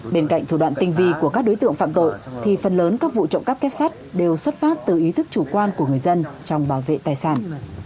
bên cạnh thủ đoạn tinh vi của các đối tượng phạm tội thì phần lớn các vụ trộm cắp kết sắt đều xuất phát từ ý thức chủ quan của người dân trong bảo vệ tài sản